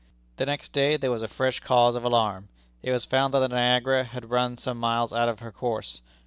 The next day there was a fresh cause of alarm. It was found that the Niagara had run some miles out of her course.